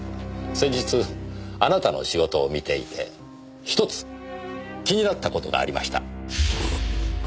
先日あなたの仕事を見ていてひとつ気になった事がありました。